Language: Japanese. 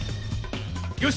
よし！